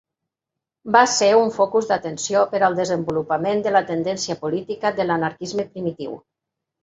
Va ser un focus d'atenció per al desenvolupament de la tendència política de l'anarquisme primitiu.